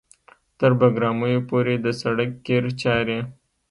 تر بګرامیو پورې د سړک قیر چارې